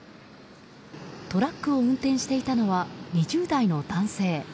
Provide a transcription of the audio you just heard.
トラックを運転していたのは２０代の男性。